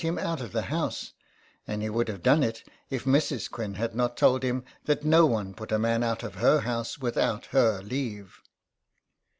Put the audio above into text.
him out of the house, and he would have done it if Mrs. Quinn had not told him that no one put a man out of her house without her leave.